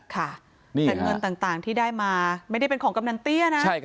แต่เงินต่างที่ได้มาไม่ได้เป็นของกำนันเตี้ยนะ